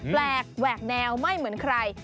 แปลกแหวกแนวไม่เหมือนใคร